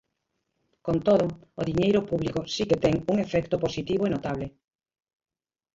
Con todo, o diñeiro público si que ten un efecto positivo e notable.